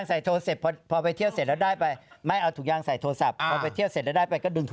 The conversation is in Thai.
ซองนึงมีทั้ง๓อันใช้ได้๓ครั้ง